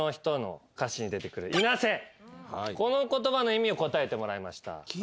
この言葉の意味を答えてもらいました。